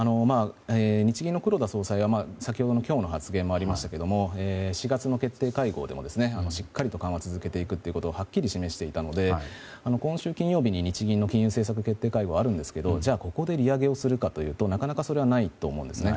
日銀の黒田総裁は先ほどの発言もありましたけれど４月の決定会合でもしっかりと緩和を続けていくとはっきり示していたので今週金曜日に日銀の金融政策決定会合があるんですがじゃあ、ここで利上げするかというと、それはなかなかないと思うんですね。